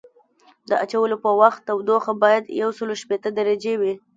د اچولو په وخت تودوخه باید یوسل شپیته درجې وي